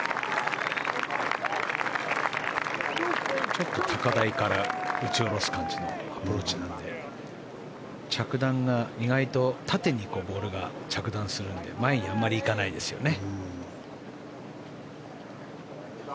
ちょっと高台から打ち下ろす感じのアプローチなので着弾が、意外と縦にボールが着弾するので前にあまり行かないですよね。